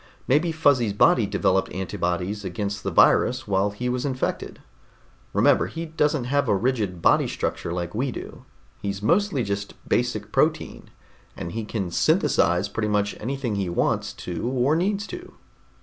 "Maybe Fuzzy's body developed antibodies against the virus while he was infected. Remember, he doesn't have a rigid body structure like we do. He's mostly just basic protein, and he can synthesize pretty much anything he wants to or needs to."